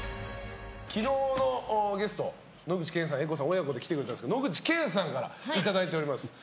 昨日のゲスト野口健さん、絵子さん親子で来てくれたんですが野口健さんからいただいております。